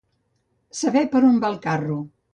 Saber per on va el carro.